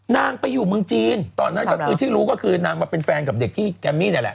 นางไปอยู่เมืองจีนตอนนั้นก็คือที่รู้ก็คือนางมาเป็นแฟนกับเด็กที่แกมมี่นี่แหละ